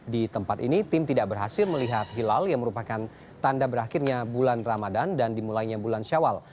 di tempat ini tim tidak berhasil melihat hilal yang merupakan tanda berakhirnya bulan ramadan dan dimulainya bulan syawal